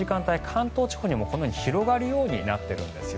関東地方にもこのように広がるようになっているんです。